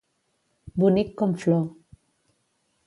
Bonic com flor.